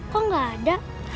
kok gak ada